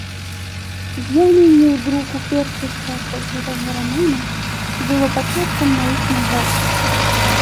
З'яўленне ў друку першых частак гэтага рамана было пачаткам маіх нягод.